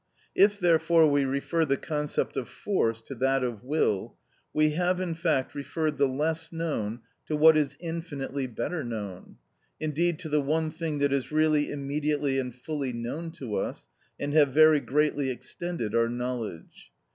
If, therefore, we refer the concept of force to that of will, we have in fact referred the less known to what is infinitely better known; indeed, to the one thing that is really immediately and fully known to us, and have very greatly extended our knowledge.